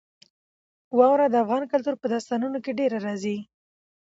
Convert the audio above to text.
واوره د افغان کلتور په داستانونو کې ډېره راځي.